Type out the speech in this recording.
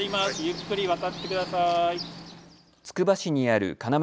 つくば市にある要